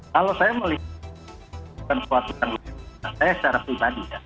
kalau saya melihatnya bukan suatu yang lebih baik saya secara pribadi